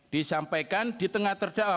disampaikan di tengah terdakwa